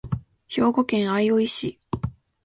兵庫県相生市